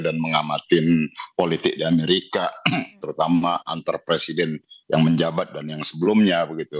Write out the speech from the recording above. dan mengamatin politik di amerika terutama antar presiden yang menjabat dan yang sebelumnya begitu